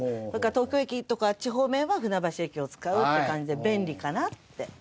それから東京駅とかあっち方面は船橋駅を使うって感じで便利かなって。